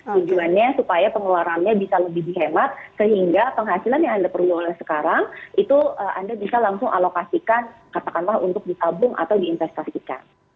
tujuannya supaya pengeluarannya bisa lebih dihemat sehingga penghasilan yang anda perlu oleh sekarang itu anda bisa langsung alokasikan katakanlah untuk ditabung atau diinvestasikan